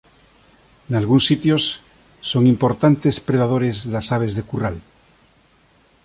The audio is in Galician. Nalgúns sitios son importantes predadores das aves de curral.